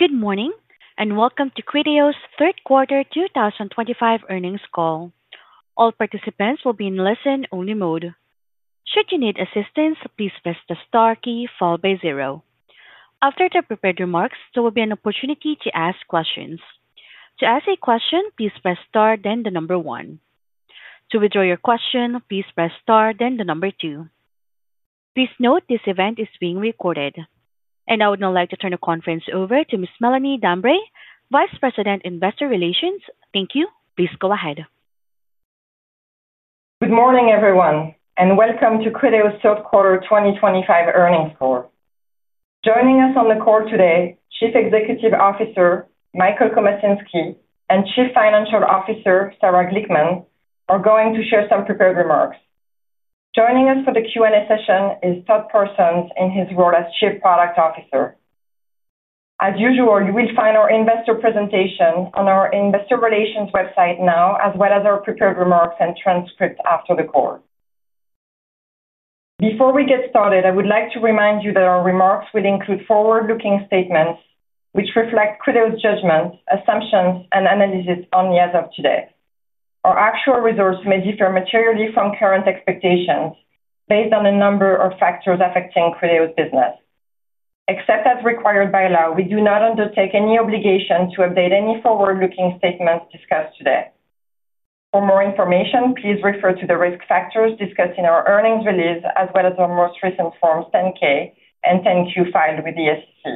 Good morning and welcome to Criteo's third quarter 2025 earnings call. All participants will be in a listen-only mode. Should you need assistance, please press the star key followed by zero. After the prepared remarks, there will be an opportunity to ask questions. To ask a question, please press star, then the number one. To withdraw your question, please press star, then the number two. Please note this event is being recorded. I would now like to turn the conference over to Ms. Melanie Dambre, Vice President, Investor Relations. Thank you. Please go ahead. Good morning, everyone, and welcome to Criteo's third quarter 2025 earnings call. Joining us on the call today, Chief Executive Officer Michael Komasinski and Chief Financial Officer Sarah Glickman are going to share some prepared remarks. Joining us for the Q&A session is Todd Parsons in his role as Chief Product Officer. As usual, you will find our investor presentation on our Investor Relations website now, as well as our prepared remarks and transcript after the call. Before we get started, I would like to remind you that our remarks will include forward-looking statements, which reflect Criteo's judgments, assumptions, and analysis only as of today. Our actual results may differ materially from current expectations based on a number of factors affecting Criteo's business. Except as required by law, we do not undertake any obligation to update any forward-looking statements discussed today. For more information, please refer to the risk factors discussed in our earnings release, as well as our most recent forms 10-K and 10-Q filed with the SEC.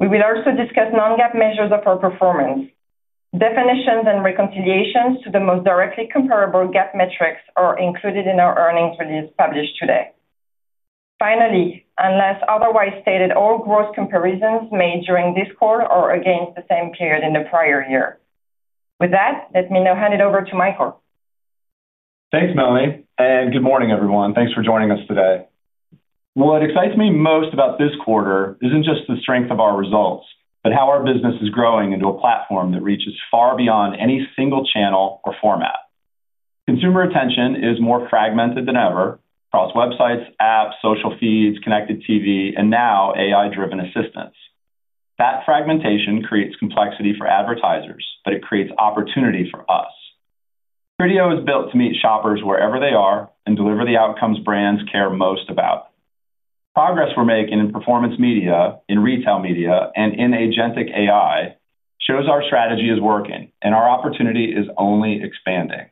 We will also discuss non-GAAP measures of our performance. Definitions and reconciliations to the most directly comparable GAAP metrics are included in our earnings release published today. Finally, unless otherwise stated, all gross comparisons made during this call are against the same period in the prior year. With that, let me now hand it over to Michael. Thanks, Melanie, and good morning, everyone. Thanks for joining us today. What excites me most about this quarter isn't just the strength of our results, but how our business is growing into a platform that reaches far beyond any single channel or format. Consumer attention is more fragmented than ever across websites, apps, social feeds, connected TV, and now AI-driven assistants. That fragmentation creates complexity for advertisers, but it creates opportunity for us. Criteo is built to meet shoppers wherever they are and deliver the outcomes brands care most about. Progress we're making in performance media, in retail media, and in agentic AI shows our strategy is working and our opportunity is only expanding.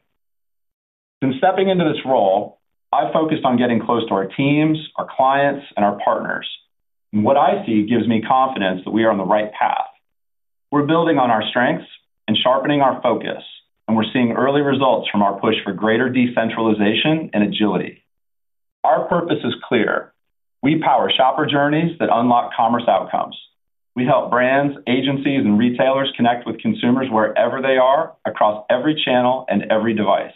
Since stepping into this role, I've focused on getting close to our teams, our clients, and our partners. What I see gives me confidence that we are on the right path. We're building on our strengths and sharpening our focus, and we're seeing early results from our push for greater decentralization and agility. Our purpose is clear. We power shopper journeys that unlock commerce outcomes. We help brands, agencies, and retailers connect with consumers wherever they are across every channel and every device.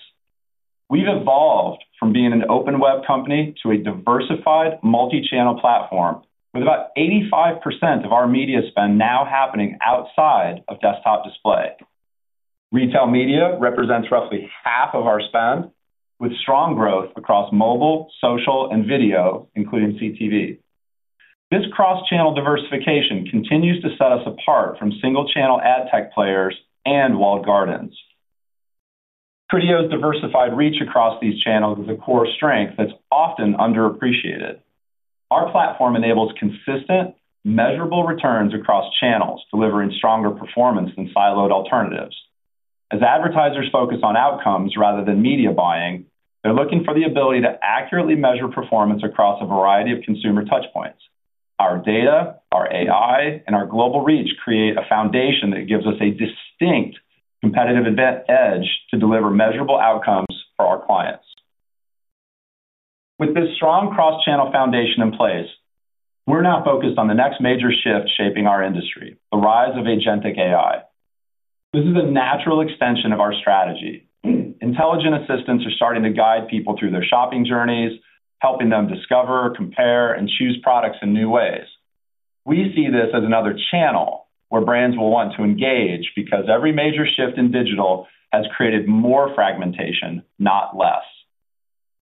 We've evolved from being an open web company to a diversified, multi-channel platform, with about 85% of our media spend now happening outside of desktop display. Retail media represents roughly half of our spend, with strong growth across mobile, social, and video, including CTV. This cross-channel diversification continues to set us apart from single-channel ad tech players and walled gardens. Criteo's diversified reach across these channels is a core strength that's often underappreciated. Our platform enables consistent, measurable returns across channels, delivering stronger performance than siloed alternatives. As advertisers focus on outcomes rather than media buying, they're looking for the ability to accurately measure performance across a variety of consumer touchpoints. Our data, our AI, and our global reach create a foundation that gives us a distinct competitive edge to deliver measurable outcomes for our clients. With this strong cross-channel foundation in place, we're now focused on the next major shift shaping our industry: the rise of agentic AI. This is a natural extension of our strategy. Intelligent assistants are starting to guide people through their shopping journeys, helping them discover, compare, and choose products in new ways. We see this as another channel where brands will want to engage because every major shift in digital has created more fragmentation, not less.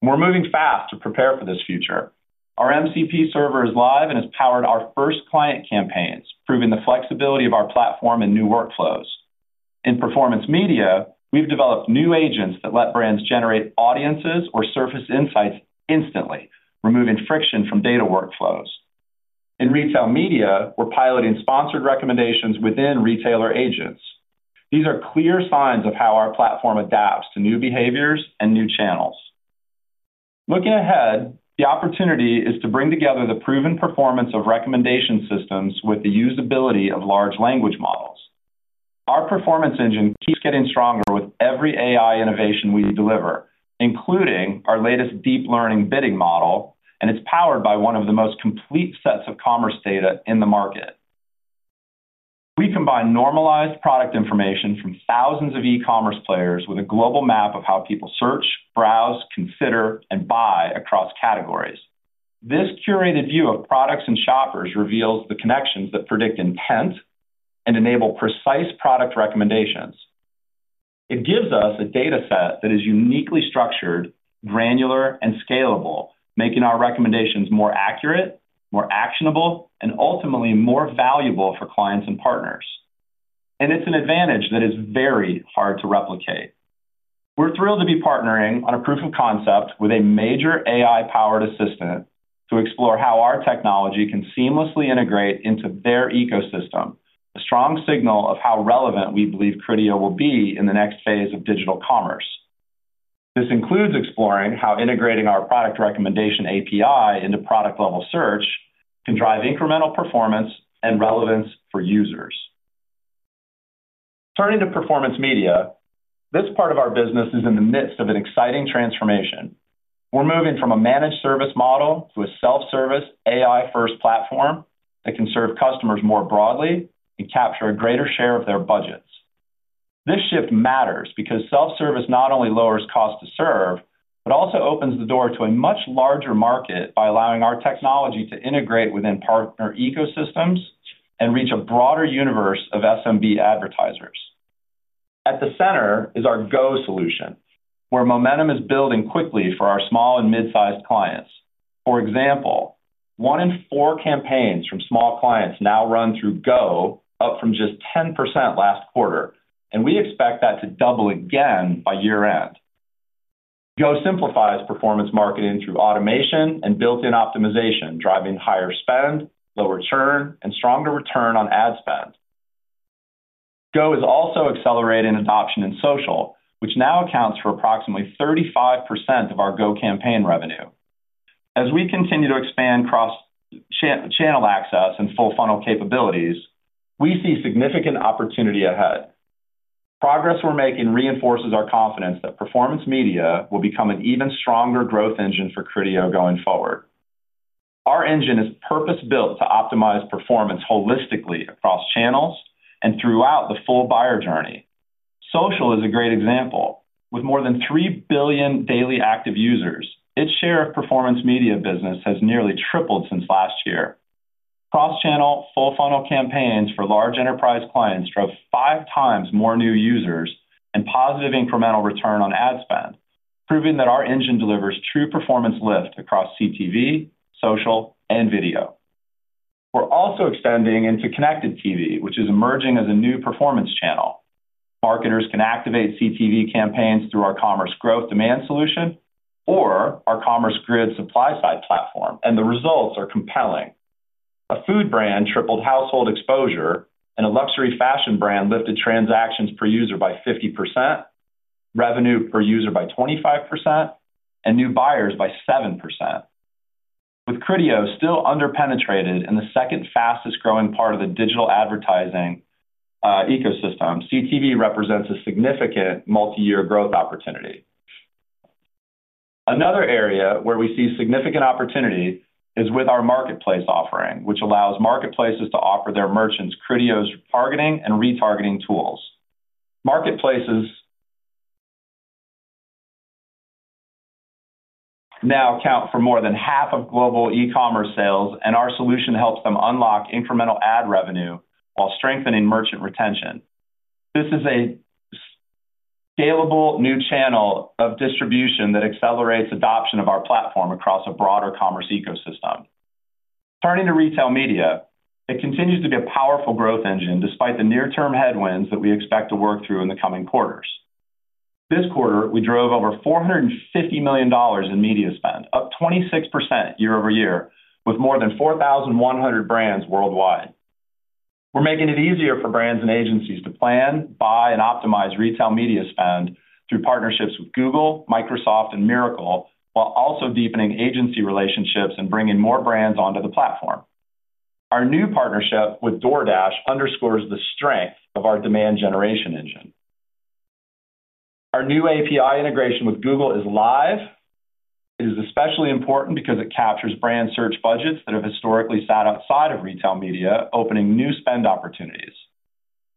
We are moving fast to prepare for this future. Our MCP server is live and has powered our first client campaigns, proving the flexibility of our platform and new workflows. In performance media, we have developed new agents that let brands generate audiences or surface insights instantly, removing friction from data workflows. In retail media, we are piloting sponsored recommendations within retailer agents. These are clear signs of how our platform adapts to new behaviors and new channels. Looking ahead, the opportunity is to bring together the proven performance of recommendation systems with the usability of large language models. Our performance engine keeps getting stronger with every AI innovation we deliver, including our latest deep learning bidding model, and it is powered by one of the most complete sets of commerce data in the market. We combine normalized product information from thousands of e-commerce players with a global map of how people search, browse, consider, and buy across categories. This curated view of products and shoppers reveals the connections that predict intent and enable precise product recommendations. It gives us a data set that is uniquely structured, granular, and scalable, making our recommendations more accurate, more actionable, and ultimately more valuable for clients and partners. It is an advantage that is very hard to replicate. We are thrilled to be partnering on a proof of concept with a major AI-powered assistant to explore how our technology can seamlessly integrate into their ecosystem, a strong signal of how relevant we believe Criteo will be in the next phase of digital commerce. This includes exploring how integrating our product recommendation API into product-level search can drive incremental performance and relevance for users. Turning to performance media, this part of our business is in the midst of an exciting transformation. We are moving from a managed service model to a self-service, AI-first platform that can serve customers more broadly and capture a greater share of their budgets. This shift matters because self-service not only lowers cost to serve, but also opens the door to a much larger market by allowing our technology to integrate within partner ecosystems and reach a broader universe of SMB advertisers. At the center is our GO solution, where momentum is building quickly for our small and mid-sized clients. For example, one in four campaigns from small clients now run through GO, up from just 10% last quarter, and we expect that to double again by year-end. GO simplifies performance marketing through automation and built-in optimization, driving higher spend, lower churn, and stronger return on ad spend. GO is also accelerating adoption in social, which now accounts for approximately 35% of our GO campaign revenue. As we continue to expand cross-channel access and full funnel capabilities, we see significant opportunity ahead. The progress we're making reinforces our confidence that performance media will become an even stronger growth engine for Criteo going forward. Our engine is purpose-built to optimize performance holistically across channels and throughout the full buyer journey. Social is a great example. With more than 3 billion daily active users, its share of performance media business has nearly tripled since last year. Cross-channel, full funnel campaigns for large enterprise clients drove 5x more new users and positive incremental return on ad spend, proving that our engine delivers true performance lift across CTV, social, and video. We're also extending into connected TV, which is emerging as a new performance channel. Marketers can activate CTV campaigns through our Commerce Growth Performance Buying Platform or our Commerce Grid Supply-Side Platform, and the results are compelling. A food brand tripled household exposure, and a luxury fashion brand lifted transactions per user by 50%, revenue per user by 25%, and new buyers by 7%. With Criteo still underpenetrated in the second-fastest growing part of the digital advertising ecosystem, CTV represents a significant multi-year growth opportunity. Another area where we see significant opportunity is with our marketplace offering, which allows marketplaces to offer their merchants Criteo's targeting and retargeting tools. Marketplaces now account for more than half of global e-commerce sales, and our solution helps them unlock incremental ad revenue while strengthening merchant retention. This is a scalable new channel of distribution that accelerates adoption of our platform across a broader commerce ecosystem. Turning to retail media, it continues to be a powerful growth engine despite the near-term headwinds that we expect to work through in the coming quarters. This quarter, we drove over $450 million in media spend, up 26% year-over-year, with more than 4,100 brands worldwide. We're making it easier for brands and agencies to plan, buy, and optimize retail media spend through partnerships with Google, Microsoft, and Mirakl, while also deepening agency relationships and bringing more brands onto the platform. Our new partnership with DoorDash underscores the strength of our demand generation engine. Our new API integration with Google is live. It is especially important because it captures brand search budgets that have historically sat outside of retail media, opening new spend opportunities.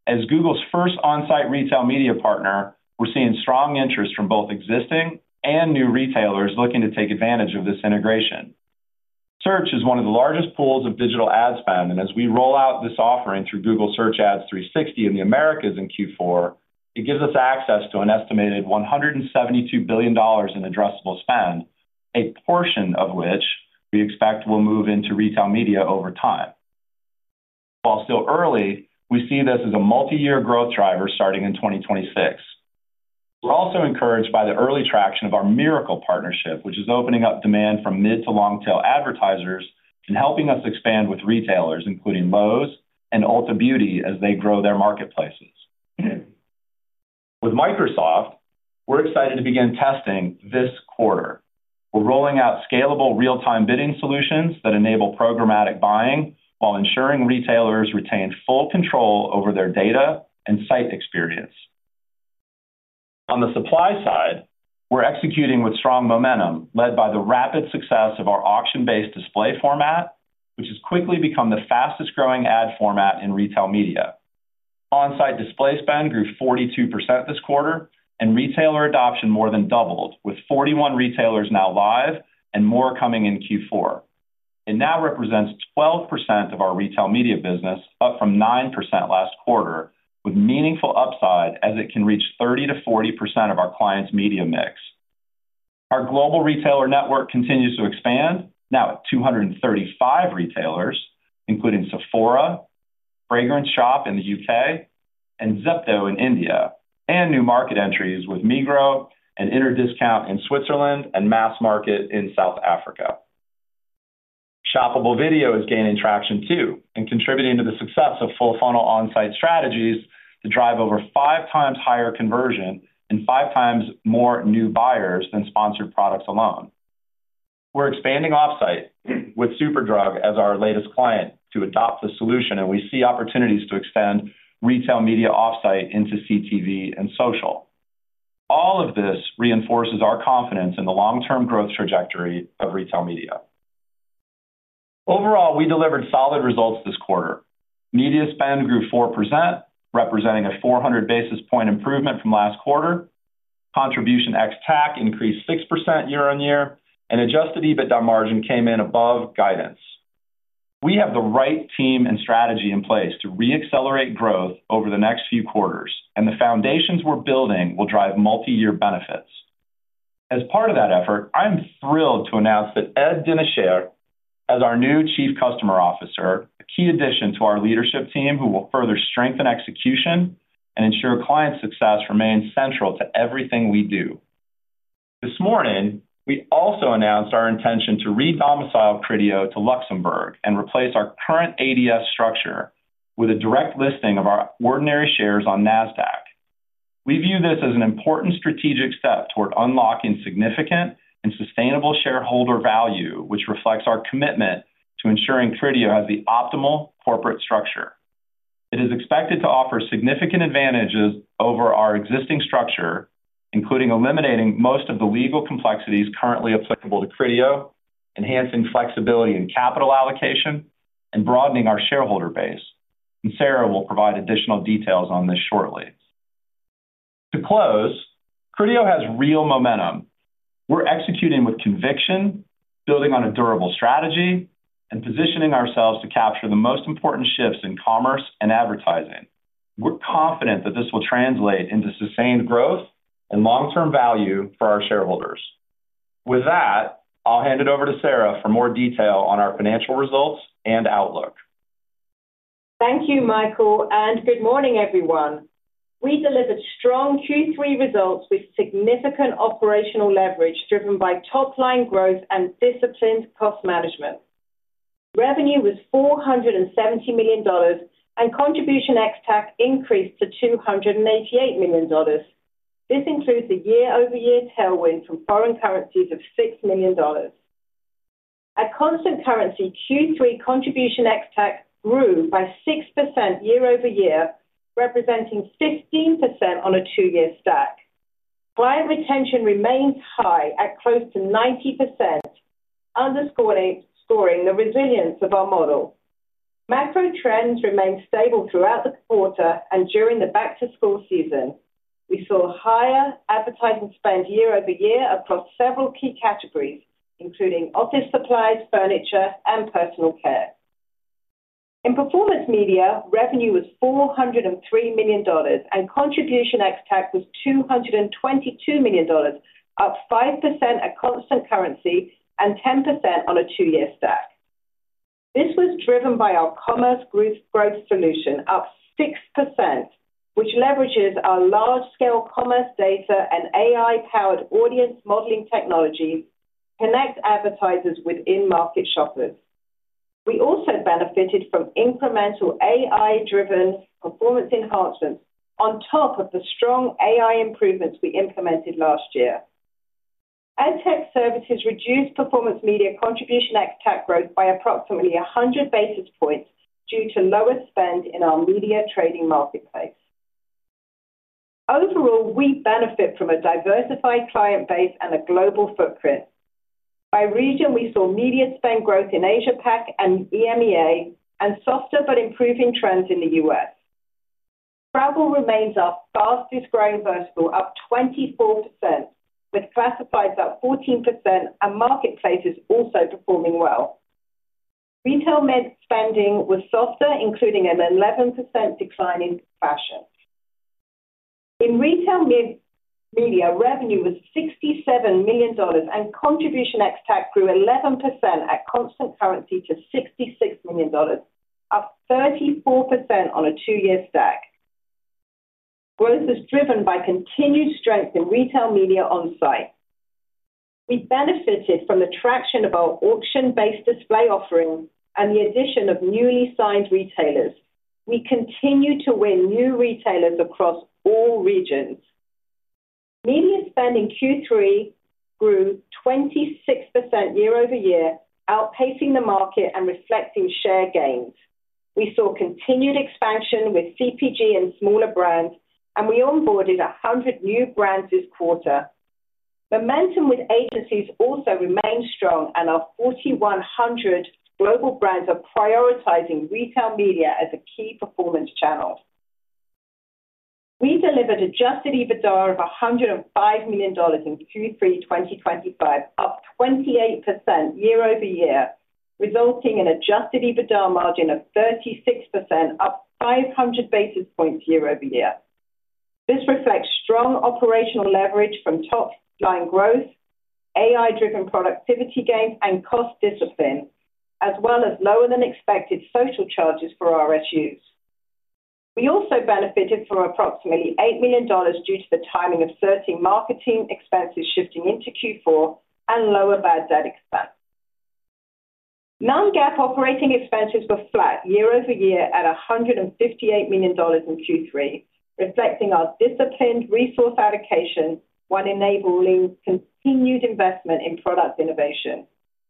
As Google's first on-site retail media partner, we're seeing strong interest from both existing and new retailers looking to take advantage of this integration. Search is one of the largest pools of digital ad spend, and as we roll out this offering through Google Search Ads 360 in the Americas in Q4, it gives us access to an estimated $172 billion in addressable spend, a portion of which we expect will move into retail media over time. While still early, we see this as a multi-year growth driver starting in 2026. We're also encouraged by the early traction of our Mirakl partnership, which is opening up demand from mid to long-tail advertisers and helping us expand with retailers, including Lowe's and Ulta Beauty, as they grow their marketplaces. With Microsoft, we're excited to begin testing this quarter. We're rolling out scalable real-time bidding solutions that enable programmatic buying while ensuring retailers retain full control over their data and site experience. On the supply side, we're executing with strong momentum, led by the rapid success of our auction-based display format, which has quickly become the fastest growing ad format in retail media. On-site display spend grew 42% this quarter, and retailer adoption more than doubled, with 41 retailers now live and more coming in Q4. It now represents 12% of our retail media business, up from 9% last quarter, with meaningful upside as it can reach 30%-40% of our clients' media mix. Our global retailer network continues to expand, now at 235 retailers, including Sephora, Fragrant Shop in the U.K., and Zipto in India, and new market entries with Migros and Interdiscount in Switzerland and Mass Market in South Africa. Shoppable video is gaining traction too and contributing to the success of full funnel on-site strategies to drive over 5x higher conversion and 5x more new buyers than sponsored products alone. We're expanding off-site with Super Drug as our latest client to adopt the solution, and we see opportunities to extend retail media off-site into CTV and social. All of this reinforces our confidence in the long-term growth trajectory of retail media. Overall, we delivered solid results this quarter. Media spend grew 4%, representing a 400 basis point improvement from last quarter. Contribution ex-TAC increased 6% year-on-year, and adjusted EBITDA margin came in above guidance. We have the right team and strategy in place to re-accelerate growth over the next few quarters, and the foundations we're building will drive multi-year benefits. As part of that effort, I am thrilled to announce that Edouard Lassalle is our new Chief Customer Officer, a key addition to our leadership team who will further strengthen execution and ensure client success remains central to everything we do. This morning, we also announced our intention to re-domicile Criteo to Luxembourg and replace our current ADS structure with a direct listing of our ordinary shares on Nasdaq. We view this as an important strategic step toward unlocking significant and sustainable shareholder value, which reflects our commitment to ensuring Criteo has the optimal corporate structure. It is expected to offer significant advantages over our existing structure, including eliminating most of the legal complexities currently applicable to Criteo, enhancing flexibility in capital allocation, and broadening our shareholder base. Sarah will provide additional details on this shortly. To close, Criteo has real momentum. We're executing with conviction, building on a durable strategy, and positioning ourselves to capture the most important shifts in commerce and advertising. We're confident that this will translate into sustained growth and long-term value for our shareholders. With that, I'll hand it over to Sarah for more detail on our financial results and outlook. Thank you, Michael, and good morning, everyone. We delivered strong Q3 results with significant operational leverage driven by top-line growth and disciplined cost management. Revenue was $470 million, and contribution ex-TAC increased to $288 million. This includes a year-over-year tailwind from foreign currencies of $6 million. At constant currency, Q3 contribution ex-TAC grew by 6% year-over-year, representing 15% on a two-year stack. Client retention remains high at close to 90%, underscoring the resilience of our model. Macro trends remain stable throughout the quarter and during the back-to-school season. We saw higher advertising spend year-over-year across several key categories, including office supplies, furniture, and personal care. In performance media, revenue was $403 million, and contribution ex-TAC was $222 million, up 5% at constant currency and 10% on a two-year stack. This was driven by our Commerce Growth solution, up 6%, which leverages our large-scale commerce data and AI-powered audience modeling technology to connect advertisers with in-market shoppers. We also benefited from incremental AI-driven performance enhancements on top of the strong AI improvements we implemented last year. Ad tech services reduced performance media contribution ex-TAC growth by approximately 100 basis points due to lower spend in our media trading marketplace. Overall, we benefit from a diversified client base and a global footprint. By region, we saw media spend growth in Asia-Pac and EMEA and softer but improving trends in the U.S. Travel remains our fastest growing vertical, up 24%, with classifieds up 14%, and marketplaces also performing well. Retail spending was softer, including an 11% decline in fashion. In retail media, revenue was $67 million, and contribution ex-TAC grew 11% at constant currency to $66 million, up 34% on a two-year stack. Growth is driven by continued strength in retail media on-site. We benefited from the traction of our auction-based display offering and the addition of newly signed retailers. We continue to win new retailers across all regions. Media spend in Q3 grew 26% year-over-year, outpacing the market and reflecting share gains. We saw continued expansion with CPG and smaller brands, and we onboarded 100 new brands this quarter. Momentum with agencies also remains strong, and our 4,100 global brands are prioritizing retail media as a key performance channel. We delivered adjusted EBITDA of $105 million in Q3 2025, up 28% year-over-year, resulting in an adjusted EBITDA margin of 36%, up 500 basis points year-over-year. This reflects strong operational leverage from top-line growth, AI-driven productivity gains, and cost discipline, as well as lower than expected social charges for our RSUs. We also benefited from approximately $8 million due to the timing of certain marketing expenses shifting into Q4 and lower VAT expense. Non-GAAP operating expenses were flat year-over-year at $158 million in Q3, reflecting our disciplined resource allocation while enabling continued investment in product innovation.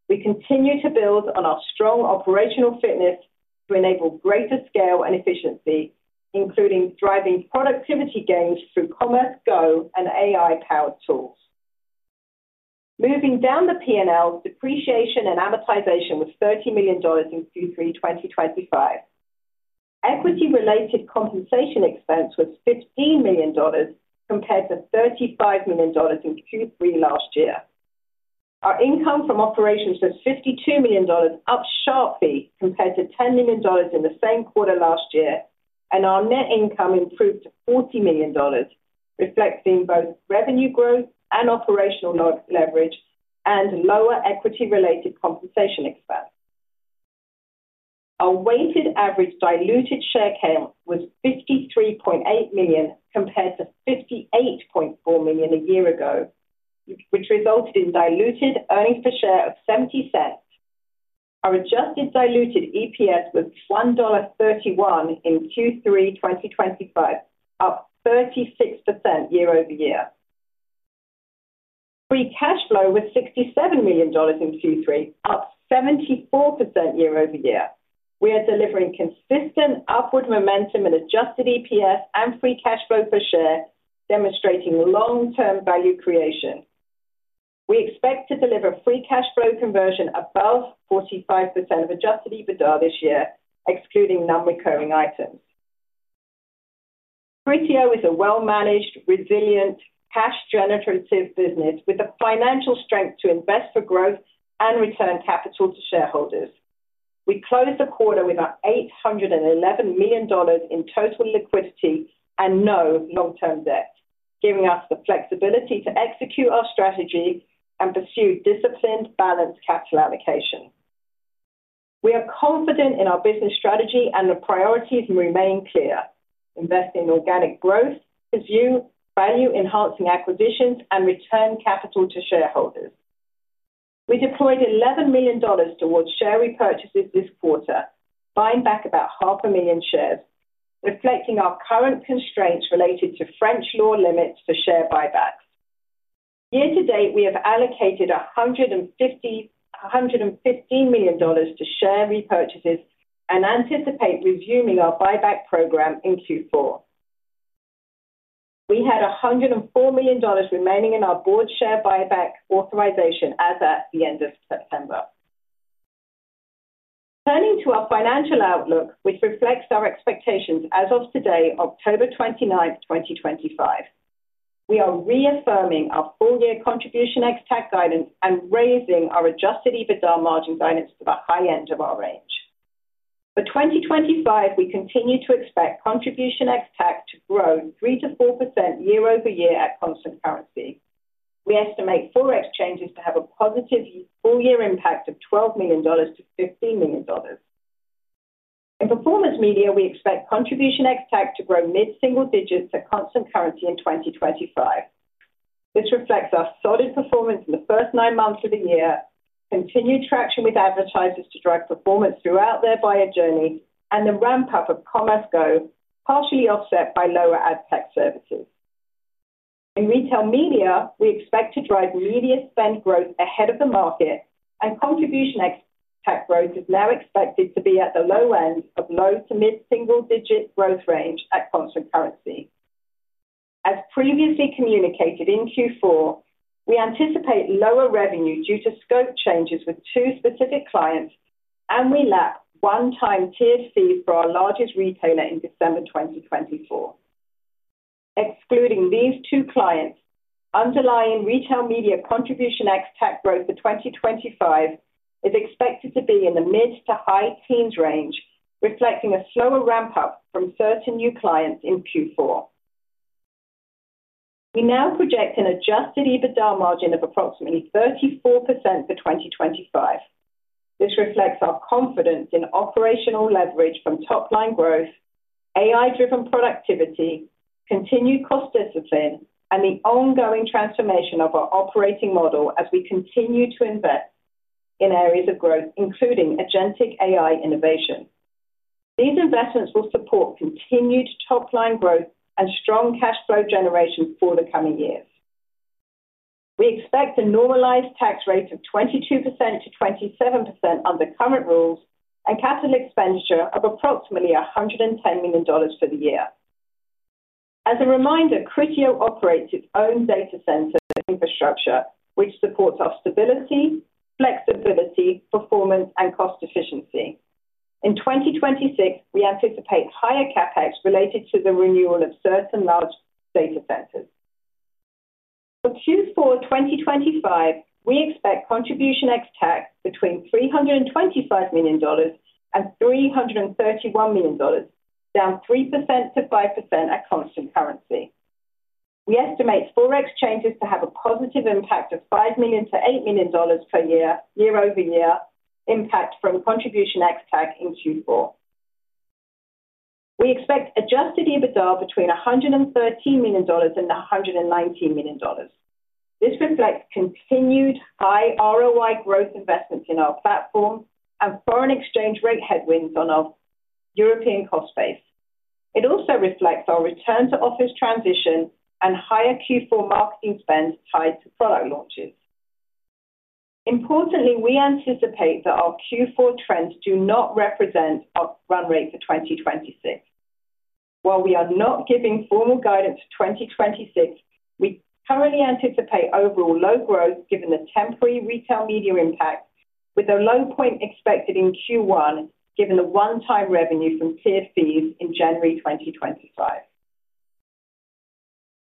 We continue to build on our strong operational fitness to enable greater scale and efficiency, including driving productivity gains through Commerce GO and AI-powered tools. Moving down the P&L, depreciation and amortization was $30 million in Q3 2025. Equity-related compensation expense was $15 million compared to $35 million in Q3 last year. Our income from operations was $52 million, up sharply compared to $10 million in the same quarter last year, and our net income improved to $40 million, reflecting both revenue growth and operational leverage and lower equity-related compensation expense. Our weighted average diluted share count was 53.8 million compared to 58.4 million a year ago, which resulted in diluted earnings per share of $0.70. Our adjusted diluted EPS was $1.31 in Q3 2025, up 36% year-over-year. Free cash flow was $67 million in Q3, up 74% year-over-year. We are delivering consistent upward momentum in adjusted EPS and free cash flow per share, demonstrating long-term value creation. We expect to deliver free cash flow conversion above 45% of adjusted EBITDA this year, excluding non-recurring items. Criteo is a well-managed, resilient, cash-generative business with the financial strength to invest for growth and return capital to shareholders. We closed the quarter with $811 million in total liquidity and no long-term debt, giving us the flexibility to execute our strategy and pursue disciplined, balanced capital allocation. We are confident in our business strategy and the priorities remain clear, investing in organic growth, value-enhancing acquisitions, and returned capital to shareholders. We deployed $11 million towards share repurchases this quarter, buying back about half a million shares, reflecting our current constraints related to French law limits for share buybacks. Year-to-date, we have allocated $115 million to share repurchases and anticipate resuming our buyback program in Q4. We had $104 million remaining in our board share buyback authorization as at the end of September. Turning to our financial outlook, which reflects our expectations as of today, October 29, 2025, we are reaffirming our full-year contribution ex-TAC guidance and raising our adjusted EBITDA margin guidance to the high end of our range. For 2025, we continue to expect contribution ex-TAC to grow 3%-4% year-over-year at constant currency. We estimate forex changes to have a positive full-year impact of $12 million-$15 million. In performance media, we expect contribution ex-TAC to grow mid-single digits at constant currency in 2025. This reflects our solid performance in the first nine months of the year, continued traction with advertisers to drive performance throughout their buyer journey, and the ramp-up of Commerce GO, partially offset by lower ad tech services. In retail media, we expect to drive media spend growth ahead of the market, and contribution ex-TAC growth is now expected to be at the low end of low to mid-single-digit growth range at constant currency. As previously communicated in Q4, we anticipate lower revenue due to scope changes with two specific clients, and we lack one-time tiered fees for our largest retailer in December 2024. Excluding these two clients, underlying retail media contribution ex-TAC growth for 2025 is expected to be in the mid to high teens range, reflecting a slower ramp-up from certain new clients in Q4. We now project an adjusted EBITDA margin of approximately 34% for 2025. This reflects our confidence in operational leverage from top-line growth, AI-driven productivity, continued cost discipline, and the ongoing transformation of our operating model as we continue to invest in areas of growth, including agentic AI innovation. These investments will support continued top-line growth and strong cash flow generation for the coming years. We expect a normalized tax rate of 22%-27% under current rules and capital expenditure of approximately $110 million for the year. As a reminder, Criteo operates its own data center infrastructure, which supports our stability, flexibility, performance, and cost efficiency. In 2026, we anticipate higher CapEx related to the renewal of certain large data centers. For Q4 2025, we expect contribution ex-TAC between $325 million and $331 million, down 3%-5% at constant currency. We estimate forex changes to have a positive impact of $5 million-$8 million per year, year-over-year, impact from contribution ex-TAC in Q4. We expect adjusted EBITDA between $113 million and $119 million. This reflects continued high ROI growth investments in our platform and foreign exchange rate headwinds on our European cost base. It also reflects our return-to-office transition and higher Q4 marketing spend tied to product launches. Importantly, we anticipate that our Q4 trends do not represent our run rate for 2026. While we are not giving formal guidance for 2026, we currently anticipate overall low growth given the temporary retail media impact, with a low point expected in Q1 given the one-time revenue from tiered fees in January 2025.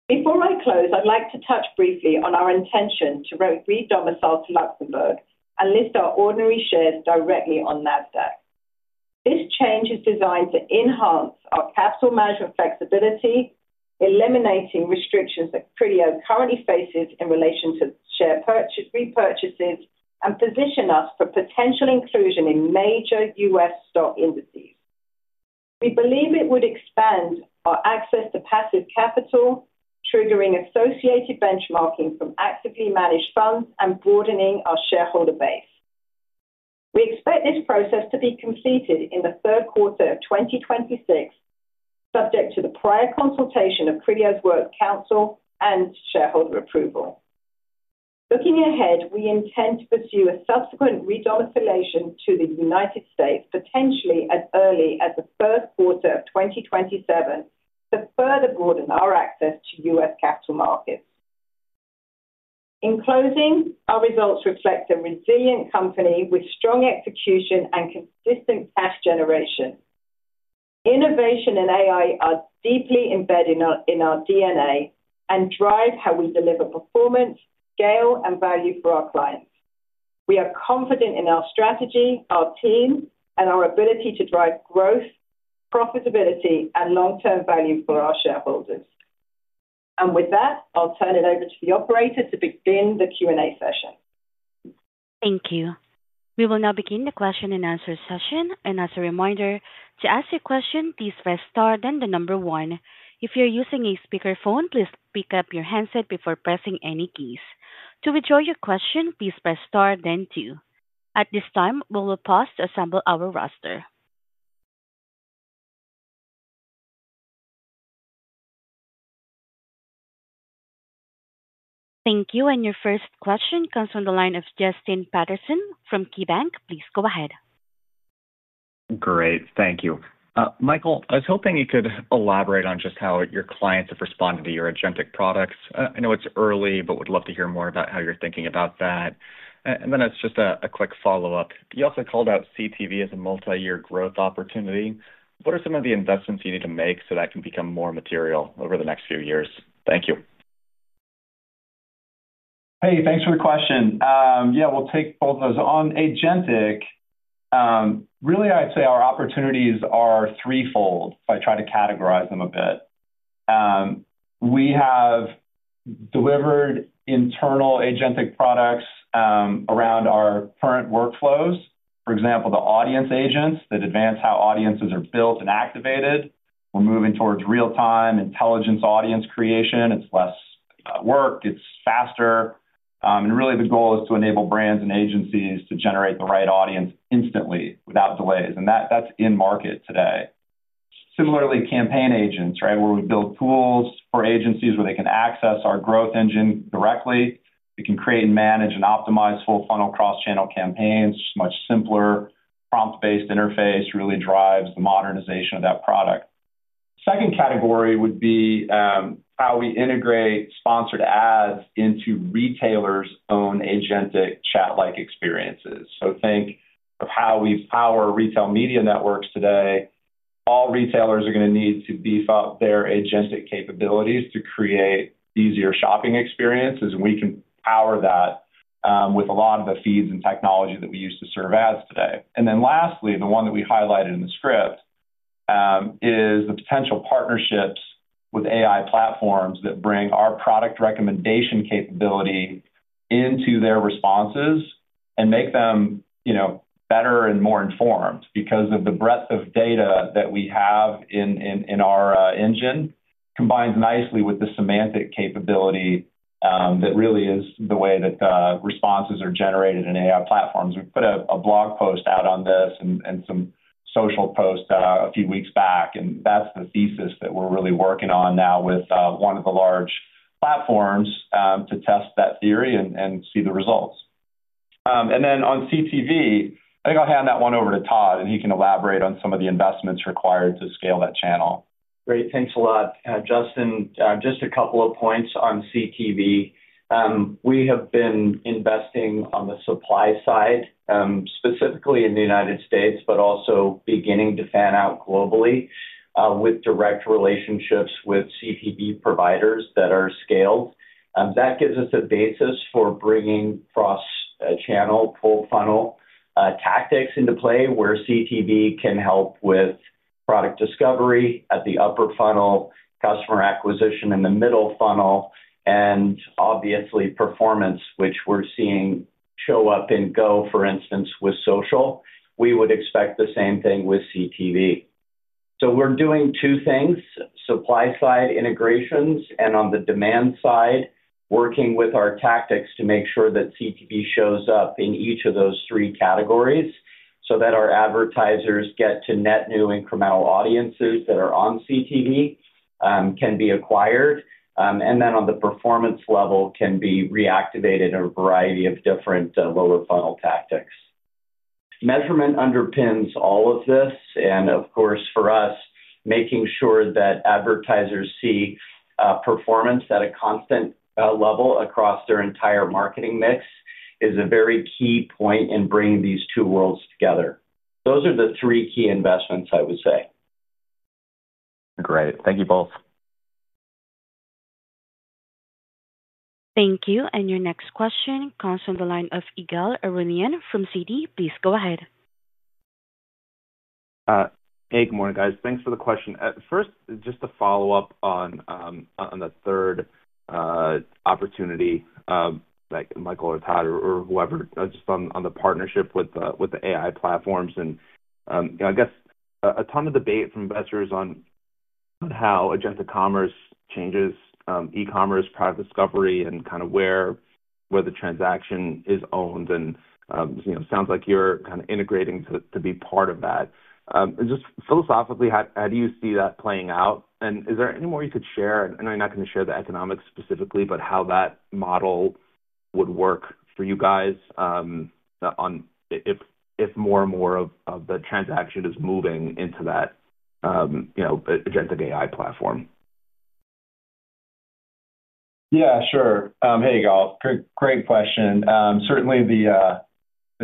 Before I close, I'd like to touch briefly on our intention to rotate domicile to Luxembourg and list our ordinary shares directly on Nasdaq. This change is designed to enhance our capital management flexibility, eliminating restrictions that Criteo currently faces in relation to share repurchases, and position us for potential inclusion in major U.S. stock indices. We believe it would expand our access to passive capital, triggering associated benchmarking from actively managed funds and broadening our shareholder base. We expect this process to be completed in the third quarter of 2026, subject to the prior consultation of Criteo's work council and shareholder approval. Looking ahead, we intend to pursue a subsequent re-domiciliation to the United States, potentially as early as the first quarter of 2027, to further broaden our access to U.S. capital markets. In closing, our results reflect a resilient company with strong execution and consistent cash generation. Innovation and AI are deeply embedded in our DNA and drive how we deliver performance, scale, and value for our clients. We are confident in our strategy, our team, and our ability to drive growth, profitability, and long-term value for our shareholders. With that, I'll turn it over to the operator to begin the Q&A session. Thank you. We will now begin the question and answer session. As a reminder, to ask a question, please press star then the number one. If you're using a speaker phone, please pick up your headset before pressing any keys. To withdraw your question, please press star then two. At this time, we will pause to assemble our roster. Thank you. Your first question comes from the line of Justin Patterson from KeyBank. Please go ahead. Great. Thank you. Michael, I was hoping you could elaborate on just how your clients have responded to your agentic products. I know it's early, but would love to hear more about how you're thinking about that. It's just a quick follow-up. You also called out CTV as a multi-year growth opportunity. What are some of the investments you need to make so that can become more material over the next few years? Thank you. Hey, thanks for the question. Yeah, we'll take both of those. On agentic, really, I'd say our opportunities are threefold if I try to categorize them a bit. We have delivered internal agentic products around our current workflows. For example, the audience agents that advance how audiences are built and activated. We're moving towards real-time intelligence audience creation. It's less work. It's faster. Really, the goal is to enable brands and agencies to generate the right audience instantly without delays. That's in market today. Similarly, campaign agents, where we build tools for agencies where they can access our growth engine directly. We can create and manage and optimize full funnel cross-channel campaigns much simpler. Prompt-based interface really drives the modernization of that product. The second category would be how we integrate sponsored ads into retailers' own agentic chat-like experiences. Think of how we power retail media networks today. All retailers are going to need to beef up their agentic capabilities to create easier shopping experiences. We can power that with a lot of the feeds and technology that we use to serve ads today. Lastly, the one that we highlighted in the script is the potential partnerships with AI platforms that bring our product recommendation capability into their responses and make them better and more informed because of the breadth of data that we have in our engine combines nicely with the semantic capability that really is the way that responses are generated in AI platforms. We put a blog post out on this and some social posts a few weeks back. That's the thesis that we're really working on now with one of the large platforms to test that theory and see the results. On CTV, I think I'll hand that one over to Todd, and he can elaborate on some of the investments required to scale that channel. Great. Thanks a lot. Justin, just a couple of points on CTV. We have been investing on the supply side, specifically in the U.S., but also beginning to fan out globally with direct relationships with CTV providers that are scaled. That gives us a basis for bringing cross-channel full funnel tactics into play where CTV can help with product discovery at the upper funnel, customer acquisition in the middle funnel, and obviously, performance, which we're seeing show up in GO, for instance, with social. We would expect the same thing with CTV. We are doing two things: supply side integrations and on the demand side, working with our tactics to make sure that CTV shows up in each of those three categories so that our advertisers get to net new incremental audiences that are on CTV, can be acquired, and then on the performance level can be reactivated in a variety of different lower funnel tactics. Measurement underpins all of this. For us, making sure that advertisers see performance at a constant level across their entire marketing mix is a very key point in bringing these two worlds together. Those are the three key investments, I would say. Great. Thank you both. Thank you. Your next question comes from the line of Ygal Arunian from Citi. Please go ahead. Hey, good morning, guys. Thanks for the question. First, just a follow-up on the third opportunity, like Michael or Todd or whoever, just on the partnership with the AI platforms. I guess a ton of debate from investors on how agentic commerce changes e-commerce product discovery and kind of where the transaction is owned. It sounds like you're kind of integrating to be part of that. Philosophically, how do you see that playing out? Is there any more you could share? I know you're not going to share the economics specifically, but how that model would work for you guys if more and more of the transaction is moving into that agentic AI platform? Yeah, sure. Hey, Ygal. Great question. Certainly, the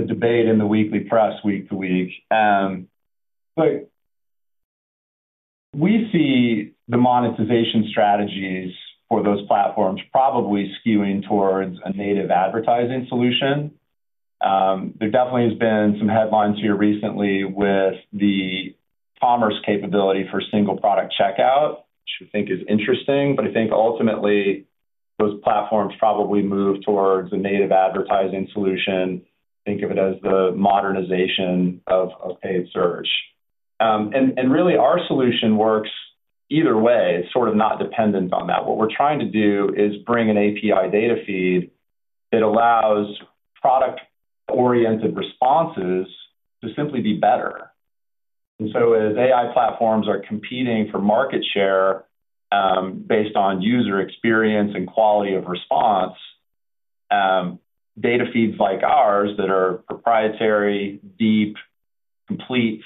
debate in the weekly press week to week. We see the monetization strategies for those platforms probably skewing towards a native advertising solution. There definitely has been some headlines here recently with the commerce capability for single product checkout, which I think is interesting. I think ultimately, those platforms probably move towards a native advertising solution. Think of it as the modernization of paid search. Really, our solution works either way. It's sort of not dependent on that. What we're trying to do is bring an API data feed that allows product-oriented responses to simply be better. As AI platforms are competing for market share based on user experience and quality of response, data feeds like ours that are proprietary, deep, complete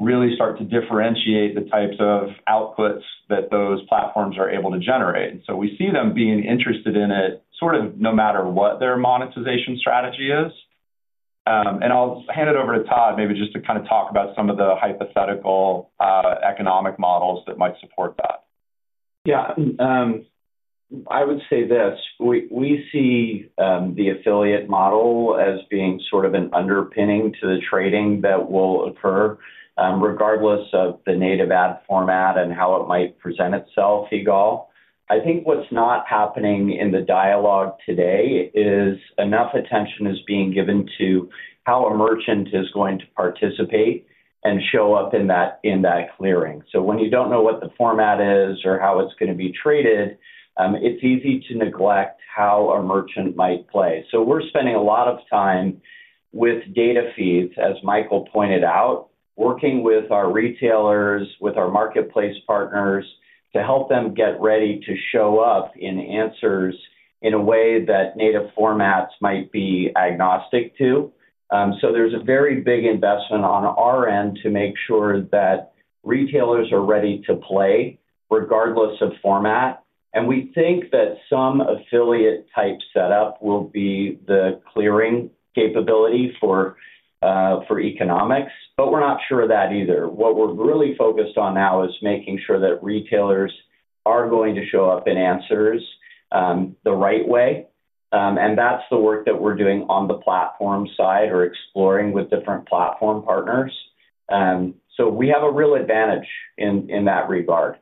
really start to differentiate the types of outputs that those platforms are able to generate. We see them being interested in it sort of no matter what their monetization strategy is. I'll hand it over to Todd, maybe just to kind of talk about some of the hypothetical economic models that might support that. Yeah. I would say this. We see the affiliate model as being sort of an underpinning to the trading that will occur regardless of the native ad format and how it might present itself, Igal. I think what's not happening in the dialogue today is enough attention is being given to how a merchant is going to participate and show up in that clearing. When you don't know what the format is or how it's going to be traded, it's easy to neglect how a merchant might play. We're spending a lot of time with data feeds, as Michael pointed out, working with our retailers, with our marketplace partners to help them get ready to show up in answers in a way that native formats might be agnostic to. There's a very big investment on our end to make sure that retailers are ready to play regardless of format. We think that some affiliate type setup will be the clearing capability for economics, but we're not sure of that either. What we're really focused on now is making sure that retailers are going to show up in answers the right way. That's the work that we're doing on the platform side or exploring with different platform partners. We have a real advantage in that regard.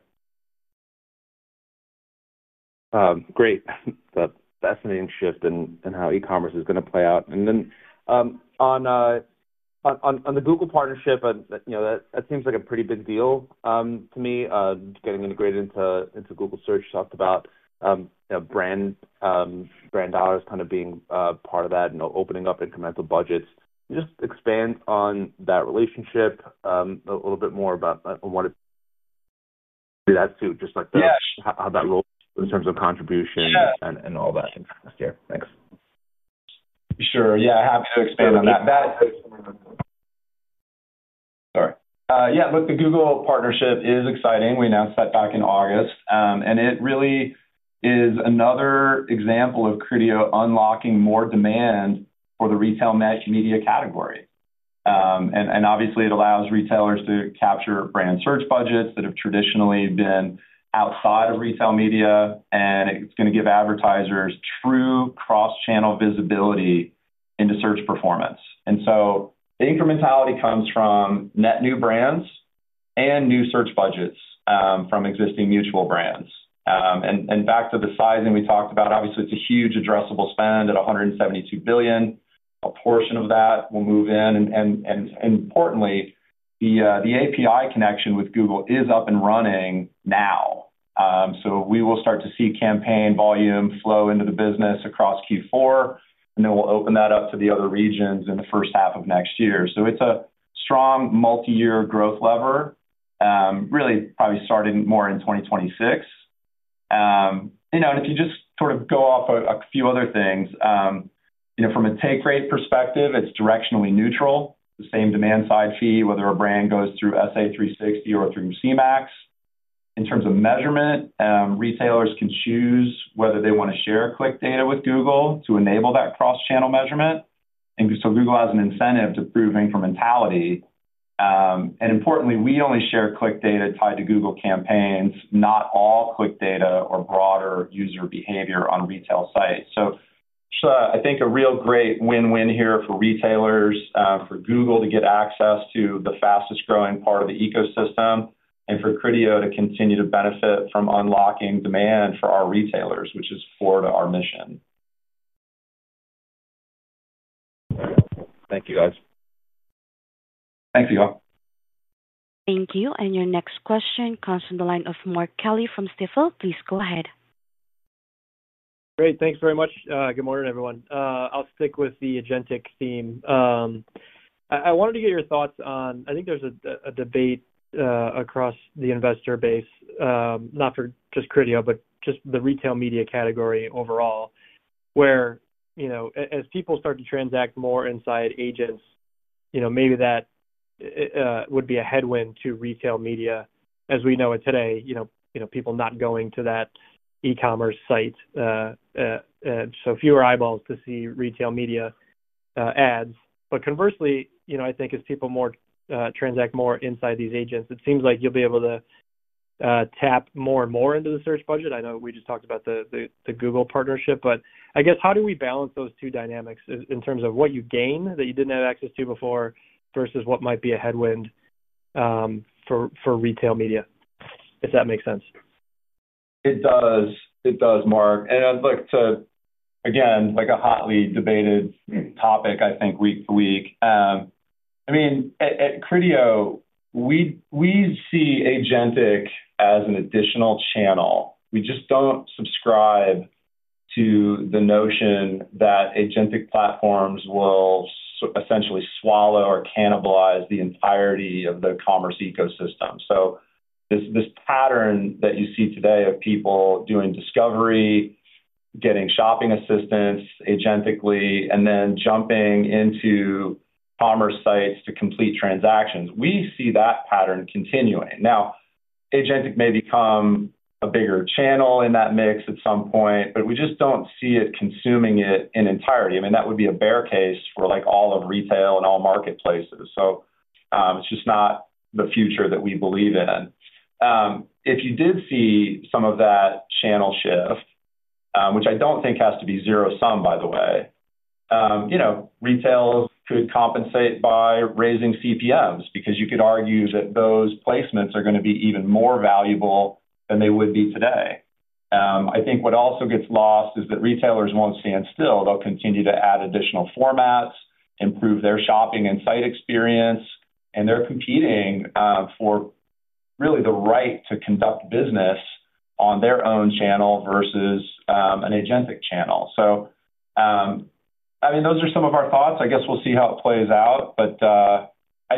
Great. That's a fascinating shift in how e-commerce is going to play out. On the Google partnership, that seems like a pretty big deal to me. Getting integrated into Google Search, you talked about brand dollars kind of being part of that and opening up incremental budgets. Just expand on that relationship a little bit more about what it does too, just like how that rolls in terms of contribution and all that. Thanks. Sure. I have to expand on that. Sorry. Yeah, look, the Google partnership is exciting. We announced that back in August. It really is another example of Criteo unlocking more demand for the retail media category. It allows retailers to capture brand search budgets that have traditionally been outside of retail media. It's going to give advertisers true cross-channel visibility into search performance. Incrementality comes from net new brands and new search budgets from existing mutual brands. Back to the sizing we talked about, it's a huge addressable spend at $172 billion. A portion of that will move in. Importantly, the API connection with Google is up and running now. We will start to see campaign volume flow into the business across Q4. We will open that up to the other regions in the first half of next year. It's a strong multi-year growth lever, really probably starting more in 2026. If you just sort of go off a few other things, from a take rate perspective, it's directionally neutral. The same demand side fee, whether a brand goes through Google Search Ads 360 or through Commerce Max Retail Media Demand-Side Platform. In terms of measurement, retailers can choose whether they want to share click data with Google to enable that cross-channel measurement. Google has an incentive to prove incrementality. Importantly, we only share click data tied to Google campaigns, not all click data or broader user behavior on retail sites. I think a real great win-win here for retailers, for Google to get access to the fastest growing part of the ecosystem, and for Criteo to continue to benefit from unlocking demand for our retailers, which is forward to our mission. Thank you, guys. Thanks, Ygal. Thank you. Your next question comes from the line of Mark Kelley from Stifel. Please go ahead. Great. Thanks very much. Good morning, everyone. I'll stick with the agentic theme. I wanted to get your thoughts on, I think there's a debate across the investor base, not for just Criteo, but just the retail media category overall, where you know as people start to transact more inside agents, you know maybe that would be a headwind to retail media. As we know it today, you know people not going to that e-commerce site, so fewer eyeballs to see retail media ads. Conversely, you know I think as people transact more inside these agents, it seems like you'll be able to tap more and more into the search budget. I know we just talked about the Google partnership. I guess how do we balance those two dynamics in terms of what you gain that you didn't have access to before versus what might be a headwind for retail media, if that makes sense? It does. It does, Mark. I'd like to, again, like a hotly debated topic, I think week to week. At Criteo, we see agentic as an additional channel. We just don't subscribe to the notion that agentic platforms will essentially swallow or cannibalize the entirety of the commerce ecosystem. This pattern that you see today of people doing discovery, getting shopping assistance agentically, and then jumping into commerce sites to complete transactions, we see that pattern continuing. Agentic may become a bigger channel in that mix at some point, but we just don't see it consuming it in entirety. That would be a bear case for all of retail and all marketplaces. It's just not the future that we believe in. If you did see some of that channel shift, which I don't think has to be zero sum, by the way, retailers could compensate by raising CPMs because you could argue that those placements are going to be even more valuable than they would be today. What also gets lost is that retailers won't stand still. They'll continue to add additional formats, improve their shopping and site experience, and they're competing for really the right to conduct business on their own channel versus an agentic channel. Those are some of our thoughts. I guess we'll see how it plays out. I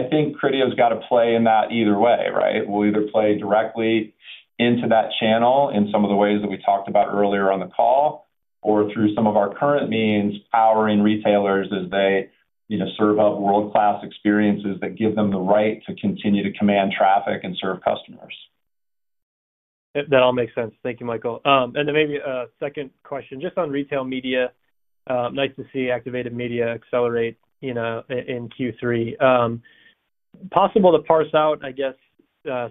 think Criteo has got to play in that either way, right? We'll either play directly into that channel in some of the ways that we talked about earlier on the call or through some of our current means powering retailers as they serve up world-class experiences that give them the right to continue to command traffic and serve customers. That all makes sense. Thank you, Michael. Maybe a second question just on retail media. Nice to see activated media accelerate in Q3. Possible to parse out, I guess,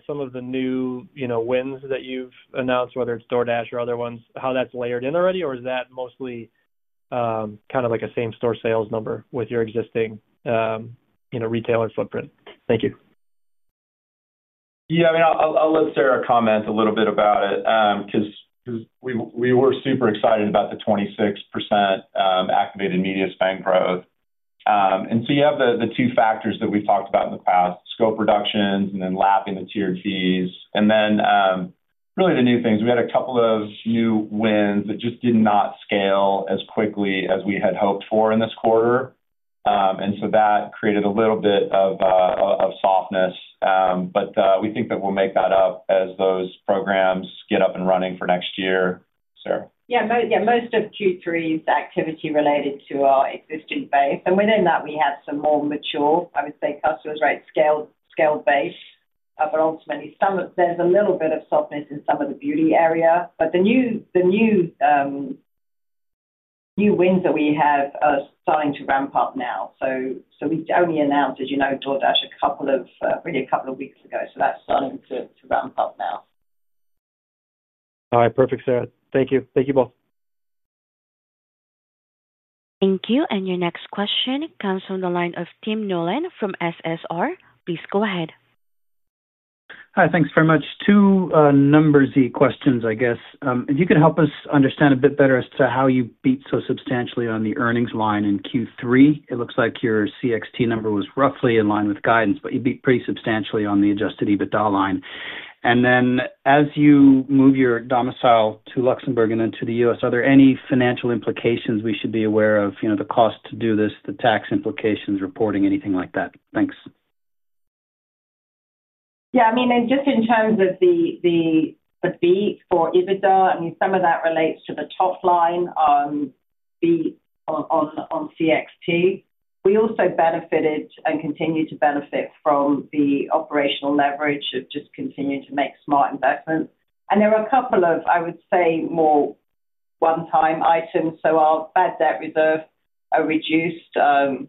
some of the new wins that you've announced, whether it's DoorDash or other ones, how that's layered in already, or is that mostly kind of like a same store sales number with your existing retailer footprint? Thank you. Yeah, I mean, I'll let Sarah comment a little bit about it because we were super excited about the 26% activated media spend growth. You have the two factors that we've talked about in the past: scope reductions and then lapping the tiered fees. Really, the new things, we had a couple of new wins that just did not scale as quickly as we had hoped for in this quarter. That created a little bit of softness. We think that we'll make that up as those programs get up and running for next year, Sarah. Yeah, most of Q3's activity related to our existing base. Within that, we have some more mature, I would say, customers' right scaled base. Ultimately, there's a little bit of softness in some of the beauty area. The new wins that we have are starting to ramp up now. We only announced, as you know, DoorDash really a couple of weeks ago. That's starting to ramp up now. All right. Perfect, Sarah. Thank you. Thank you both. Thank you. Your next question comes from the line of Tim Nolan from SSR. Please go ahead. Hi, thanks very much. Two numbersy questions, I guess. If you could help us understand a bit better as to how you beat so substantially on the earnings line in Q3. It looks like your CXT number was roughly in line with guidance, but you beat pretty substantially on the adjusted EBITDA line. As you move your domicile to Luxembourg and into the U.S., are there any financial implications we should be aware of? You know, the cost to do this, the tax implications, reporting, anything like that? Thanks. Yeah, I mean, just in terms of the beat for adjusted EBITDA, some of that relates to the top line beat on CXT. We also benefited and continue to benefit from the operational leverage of just continuing to make smart investments. There are a couple of, I would say, more one-time items. Our bad debt reserves are reduced. Our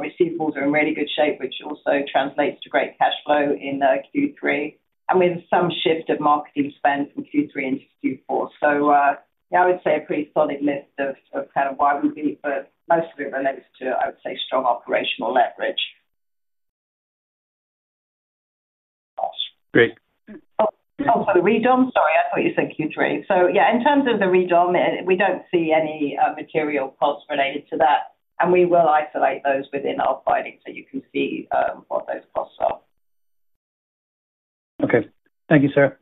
receivables are in really good shape, which also translates to great cash flow in Q3 with some shift of marketing spend from Q3 into Q4. I would say a pretty solid list of kind of why we beat, but most of it relates to, I would say, strong operational leverage. Great. Oh, sorry, re-domicile. Sorry, I thought you said Q3. In terms of the re-domicile, we don't see any material costs related to that. We will isolate those within our findings so you can see what those costs are. Okay. Thank you, Sarah.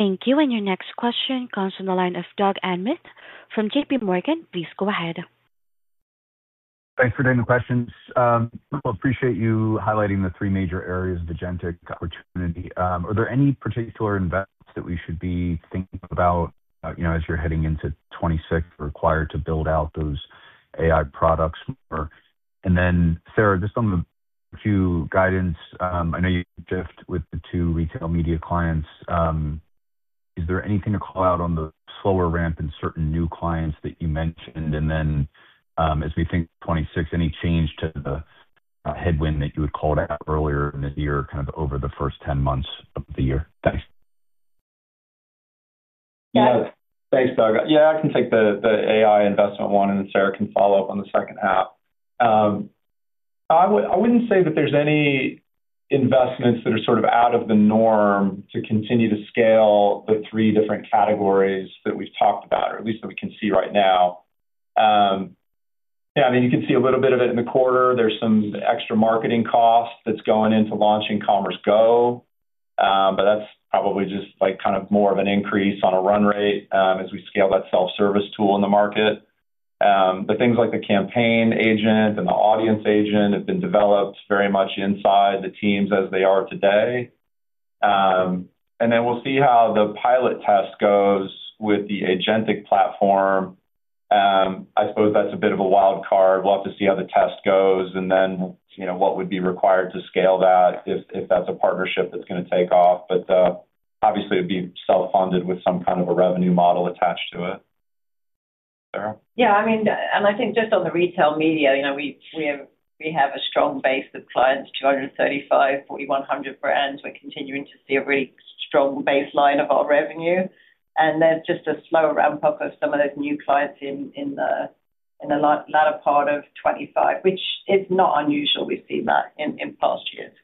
Thank you. Your next question comes from the line of Doug Anmuth from JPMorgan. Please go ahead. Thanks for doing the questions. I appreciate you highlighting the three major areas of agentic opportunity. Are there any particular investments that we should be thinking about as you're heading into 2026 required to build out those AI products? Sarah, just on the few guidance, I know you've shifted with the two retail media clients. Is there anything to call out on the slower ramp in certain new clients that you mentioned? As we think 2026, any change to the headwind that you had called out earlier in the year kind of over the first 10 months of the year? Thanks. Yeah, thanks, Doug. I can take the AI investment one, and Sarah can follow up on the second half. I wouldn't say that there's any investments that are out of the norm to continue to scale the three different categories that we've talked about, or at least that we can see right now. You can see a little bit of it in the quarter. There's some extra marketing cost that's going into launching Commerce GO, but that's probably just more of an increase on a run rate as we scale that self-service tool in the market. Things like the campaign agent and the audience agent have been developed very much inside the teams as they are today. We'll see how the pilot test goes with the agentic platform. I suppose that's a bit of a wild card. We'll have to see how the test goes and what would be required to scale that if that's a partnership that's going to take off. Obviously, it would be self-funded with some kind of a revenue model attached to it. Sarah? Yeah, I mean, I think just on the retail media, you know we have a strong base of clients, 235, 4,100 brands. We're continuing to see a really strong baseline of our revenue. There's just a slower ramp-up of some of those new clients in the latter part of 2025, which is not unusual. We've seen that in past years.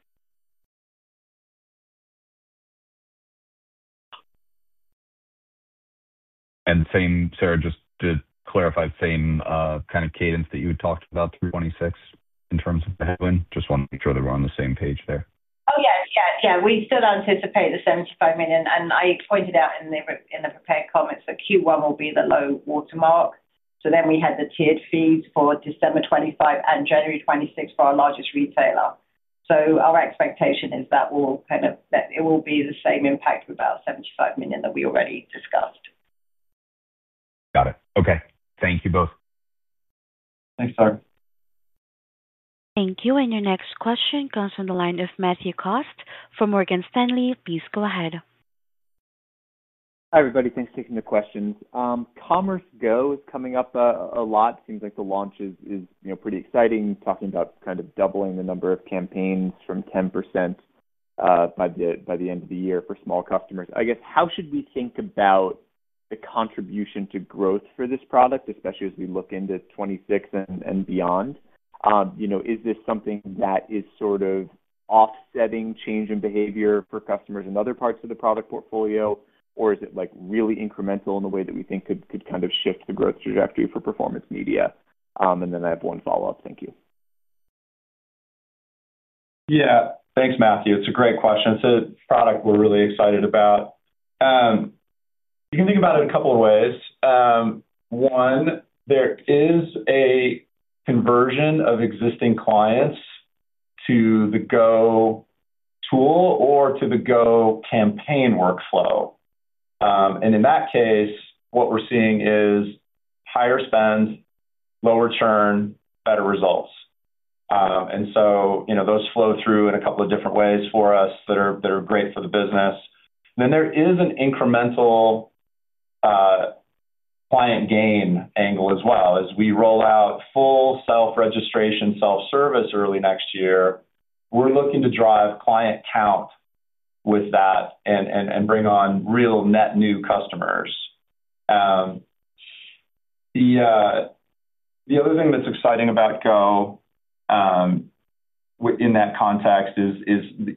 Sarah, just to clarify, same kind of cadence that you had talked about through 2026 in terms of headwind? Just wanted to make sure that we're on the same page there. Yeah, yeah, yeah. We still anticipate the $75 million. I pointed out in the prepared comments that Q1 will be the low watermark. We had the tiered fees for December 2025 and January 2026 for our largest retailer. Our expectation is that it will be the same impact of about $75 million that we already discussed. Got it. Okay. Thank you both. Thanks, Sarah. Thank you. Your next question comes from the line of Matthew Cost from Morgan Stanley. Please go ahead. Hi, everybody. Thanks for taking the questions. Commerce GO is coming up a lot. It seems like the launch is pretty exciting, talking about kind of doubling the number of campaigns from 10% by the end of the year for small customers. I guess, how should we think about the contribution to growth for this product, especially as we look into 2026 and beyond? You know, is this something that is sort of offsetting change in behavior for customers in other parts of the product portfolio, or is it like really incremental in the way that we think could kind of shift the growth trajectory for performance media? I have one follow-up. Thank you. Yeah, thanks, Matthew. It's a great question. It's a product we're really excited about. You can think about it a couple of ways. One, there is a conversion of existing clients to the GO tool or to the GO campaign workflow. In that case, what we're seeing is higher spend, lower churn, better results. Those flow through in a couple of different ways for us that are great for the business. There is an incremental client gain angle as well. As we roll out full self-registration, self-service early next year, we're looking to drive client count with that and bring on real net new customers. The other thing that's exciting about GO in that context is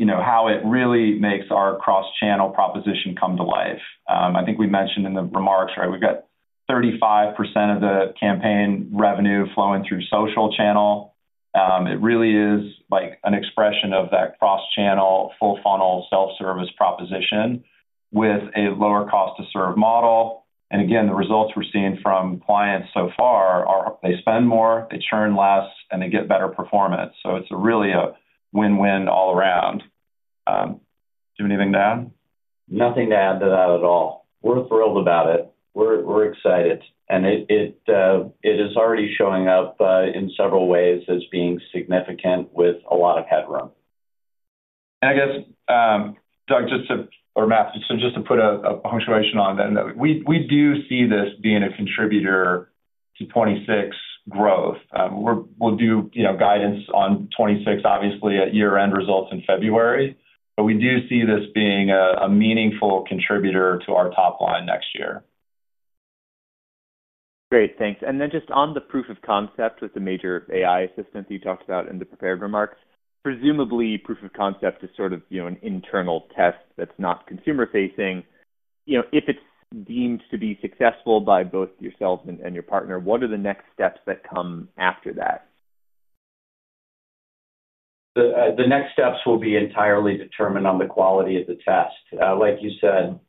how it really makes our cross-channel proposition come to life. I think we mentioned in the remarks, right, we've got 35% of the campaign revenue flowing through social channel. It really is like an expression of that cross-channel, full funnel, self-service proposition with a lower cost-to-serve model. The results we're seeing from clients so far are they spend more, they churn less, and they get better performance. It's really a win-win all around. Do you have anything to add? Nothing to add to that at all. We're thrilled about it. We're excited. It is already showing up in several ways as being significant with a lot of headroom. Doug or Matt, just to put a punctuation on then, we do see this being a contributor to 2026 growth. We'll do guidance on 2026, obviously, at year-end results in February. We do see this being a meaningful contributor to our top line next year. Great, thanks. Just on the proof of concept with the major AI assistant that you talked about in the prepared remarks, presumably, proof of concept is sort of an internal test that's not consumer-facing. If it's deemed to be successful by both yourselves and your partner, what are the next steps that come after that? The next steps will be entirely determined on the quality of the test. Like you said,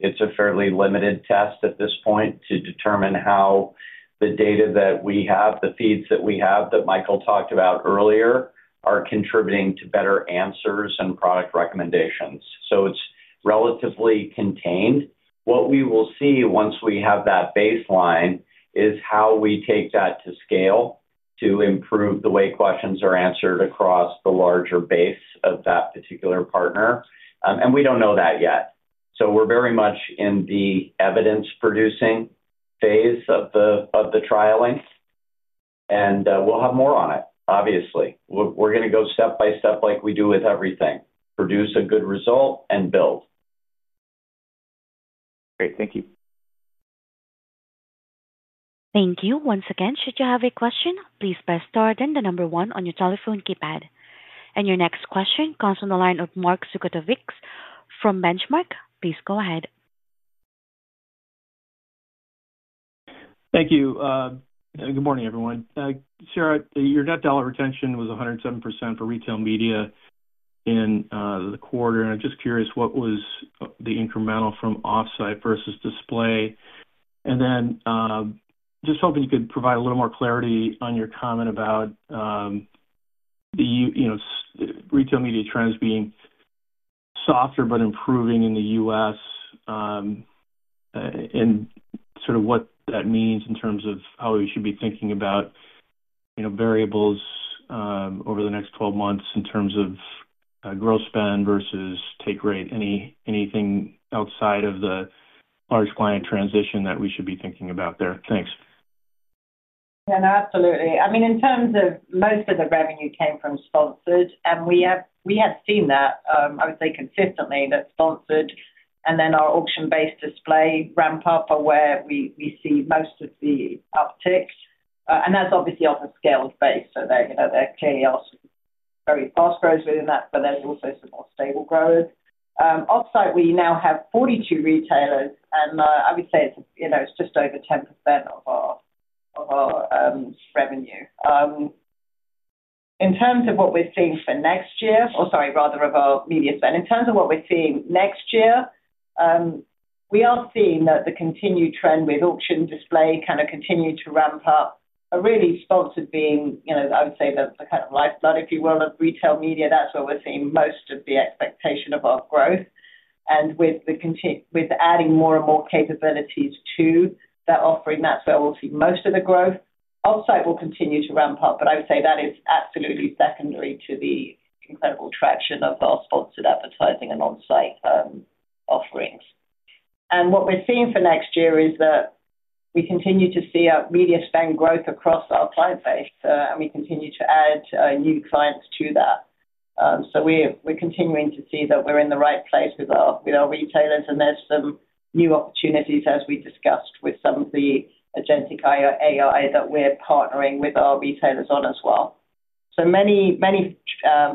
it's a fairly limited test at this point to determine how the data that we have, the feeds that we have that Michael talked about earlier, are contributing to better answers and product recommendations. It's relatively contained. What we will see once we have that baseline is how we take that to scale to improve the way questions are answered across the larger base of that particular partner. We don't know that yet. We're very much in the evidence-producing phase of the trialing. We'll have more on it, obviously. We're going to go step by step like we do with everything, produce a good result, and build. Great, thank you. Thank you. Once again, should you have a question, please press star then the number one on your telephone keypad. Your next question comes from the line of Mark Zgutowicz from Benchmark. Please go ahead. Thank you. Good morning, everyone. Sarah, your net dollar retention was 107% for retail media in the quarter. I'm just curious, what was the incremental from offsite versus display? I'm hoping you could provide a little more clarity on your comment about the retail media trends being softer but improving in the U.S. and what that means in terms of how we should be thinking about variables over the next 12 months in terms of growth spend versus take rate. Anything outside of the large client transition that we should be thinking about there? Thanks. Yeah, absolutely. I mean, in terms of most of the revenue came from sponsored. We have seen that, I would say, consistently that sponsored and then our auction-based display ramp-up are where we see most of the uptick. That's obviously off a scaled base, so they're clearly also very fast growers within that, but there's also some more stable growers. Offsite, we now have 42 retailers, and I would say it's just over 10% of our revenue. In terms of what we're seeing for next year, or sorry, rather of our media spend, in terms of what we're seeing next year, we are seeing that the continued trend with auction-based display kind of continue to ramp up. Really, sponsored being, I would say, the kind of lifeblood, if you will, of retail media. That's where we're seeing most of the expectation of our growth, and with adding more and more capabilities to that offering, that's where we'll see most of the growth. Offsite will continue to ramp up, but I would say that is absolutely secondary to the incredible traction of our sponsored advertising and onsite offerings. What we're seeing for next year is that we continue to see our media spend growth across our client base, and we continue to add new clients to that. We're continuing to see that we're in the right place with our retailers, and there's some new opportunities, as we discussed, with some of the agentic AI that we're partnering with our retailers on as well. Many, many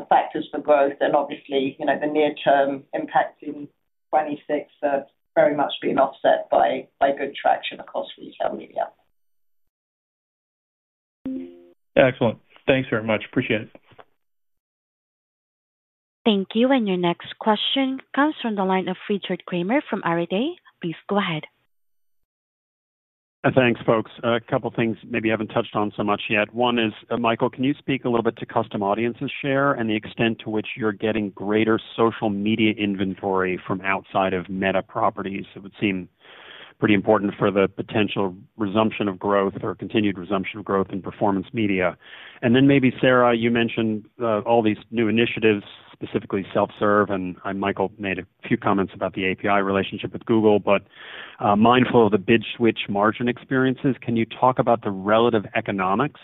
factors for growth, and obviously, the near-term impacts in 2026 are very much being offset by good traction across retail media. Excellent. Thanks very much. Appreciate it. Thank you. Your next question comes from the line of Richard Kramer from Arete. Please go ahead. Thanks, folks. A couple of things maybe I haven't touched on so much yet. One is, Michael, can you speak a little bit to custom audiences share and the extent to which you're getting greater social media inventory from outside of Meta properties? It would seem pretty important for the potential resumption of growth or continued resumption of growth in performance media. Sarah, you mentioned all these new initiatives, specifically self-serve. Michael made a few comments about the API relationship with Google. Mindful of the bid switch margin experiences, can you talk about the relative economics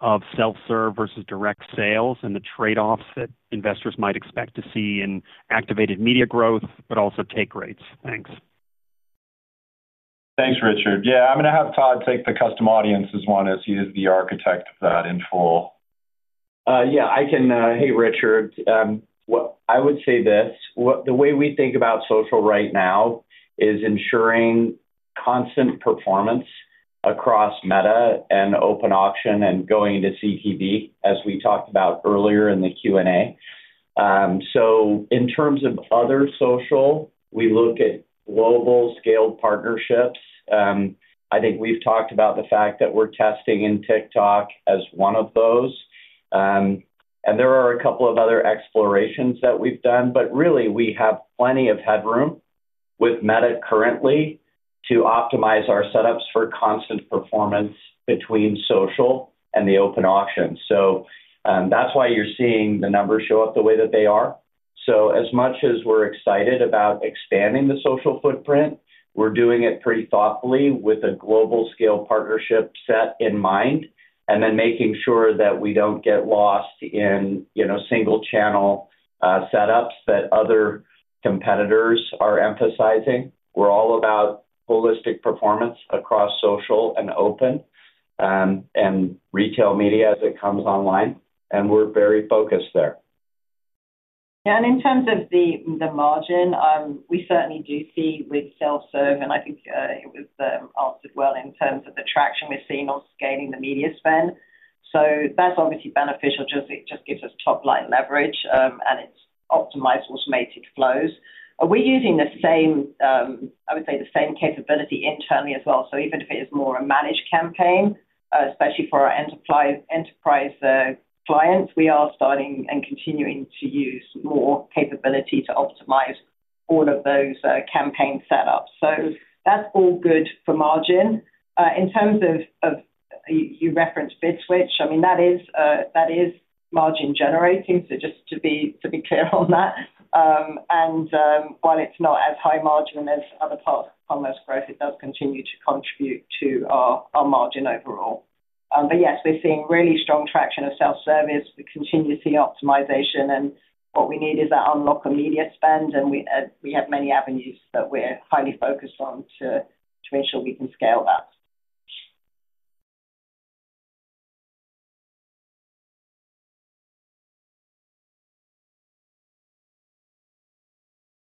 of self-serve versus direct sales and the trade-offs that investors might expect to see in activated media growth, but also take rates? Thanks. Thanks, Richard. Yeah, I'm going to have Todd take the custom audiences one as he is the architect of that in full. Yeah, I can. Hey, Richard. I would say this. The way we think about social right now is ensuring constant performance across Meta and OpenAuction and going into CTV, as we talked about earlier in the Q&A. In terms of other social, we look at global scaled partnerships. I think we've talked about the fact that we're testing in TikTok as one of those. There are a couple of other explorations that we've done. We have plenty of headroom with Meta currently to optimize our setups for constant performance between social and the OpenAuction. That's why you're seeing the numbers show up the way that they are. As much as we're excited about expanding the social footprint, we're doing it pretty thoughtfully with a global scale partnership set in mind and then making sure that we don't get lost in single-channel setups that other competitors are emphasizing. We're all about holistic performance across social and open and retail media as it comes online. We're very focused there. Yeah, and in terms of the margin, we certainly do see with self-serve. I think it was answered well in terms of the traction we've seen on scaling the media spend. That's obviously beneficial. It just gives us top line leverage, and it's optimized for automated flows. We're using the same, I would say, the same capability internally as well. Even if it is more a managed campaign, especially for our enterprise clients, we are starting and continuing to use more capability to optimize all of those campaign setups. That's all good for margin. In terms of you referenced BidSwitch, that is margin generating, just to be clear on that. While it's not as high margin as other parts of Commerce Growth, it does continue to contribute to our margin overall. We're seeing really strong traction of self-service. We continue to see optimization. What we need is that unlock of media spend. We have many avenues that we're highly focused on to ensure we can scale that.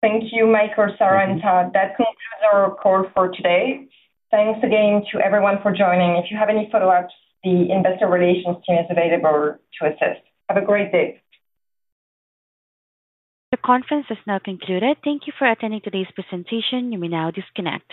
Thank you, Michael, Sarah, and Todd. That concludes our call for today. Thanks again to everyone for joining. If you have any follow-ups, the Investor Relations team is available to assist. Have a great day. The conference is now concluded. Thank you for attending today's presentation. You may now disconnect.